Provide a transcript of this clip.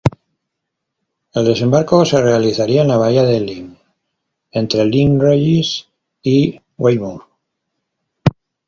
El desembarco se realizaría en la bahía de Lyme, entre Lyme Regis y Weymouth.